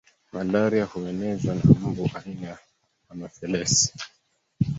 malaria huenezwa na mbu aina ya anofelesi